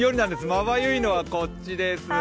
まばゆいのはこっちです。